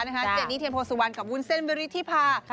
เจนี่เทียนโพสุวันกับวุญเสนวิริธิภา